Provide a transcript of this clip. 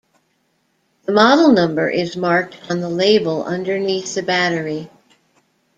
The model number is marked on the label underneath the battery.